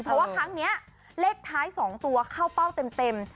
เพราะว่าครั้งนี้เลขท้าย๒ตัวเข้าเป้าเต็ม